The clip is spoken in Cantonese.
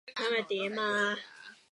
今日點呀？